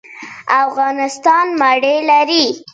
د علامه رشاد لیکنی هنر مهم دی ځکه چې میراث کاروي.